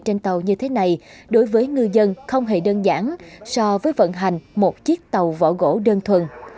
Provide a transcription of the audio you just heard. trên tàu như thế này đối với ngư dân không hề đơn giản so với vận hành một chiếc tàu vỏ gỗ đơn thuần